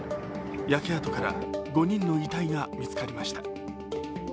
焼け跡から５人の遺体が見つかりました。